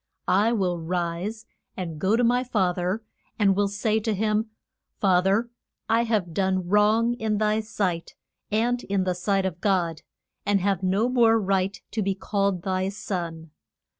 I will rise and go to my fa ther, and will say to him, Fa ther, I have done wrong in thy sight, and in the sight of God, and have no more right to be called thy son.